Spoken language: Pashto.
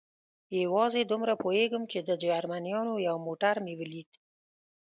یوازې دومره پوهېږم، چې د جرمنیانو یو موټر مې ولید.